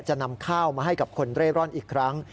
นำข้าวมาให้กับคนเร่ร่อนอีกครั้ง